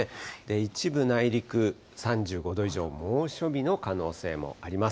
一部内陸３５度以上、猛暑日の可能性もあります。